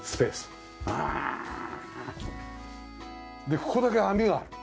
でここだけ網がある。